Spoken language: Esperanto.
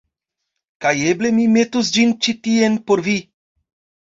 kaj eble mi metus ĝin ĉi tien por vi.